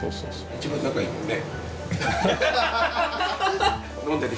一番仲いいもんね。